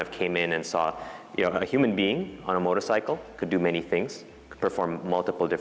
jadi kami membuka pasar untuk membiarkan orang orang ini melakukan perusahaan ini